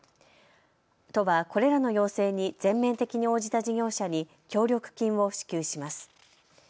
都はこれらの要請に全面的に応じた事業者に協力金を支給します。